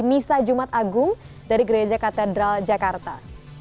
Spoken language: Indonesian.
misa jumat agung dari gereja katedral jakarta